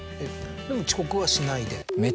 でも遅刻はしないで？